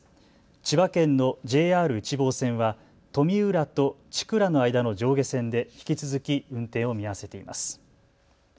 千葉県のＪＲ内房線は富浦と千倉の間の上下線で引き続き運転を見合わせています。